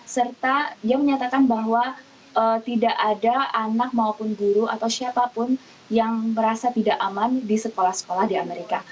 serta dia menyatakan bahwa tidak ada anak maupun guru atau siapapun yang merasa tidak aman di sekolah sekolah di amerika